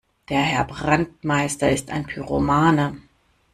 Der Herr Brandmeister ist ein Pyromane.